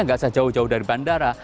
nggak usah jauh jauh dari bandara